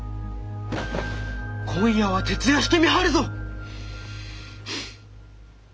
今夜は徹夜して見張るぞ！